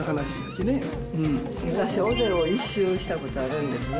昔、尾瀬を一周したことあるんですね。